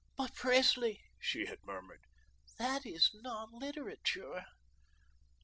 "But, Presley," she had murmured, "that is not literature."